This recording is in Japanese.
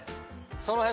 その辺。